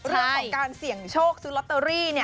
เรื่องของการเสี่ยงโชคซื้อลอตเตอรี่